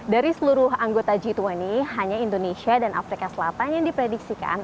dari seluruh anggota g dua puluh hanya indonesia dan afrika selatan yang diprediksikan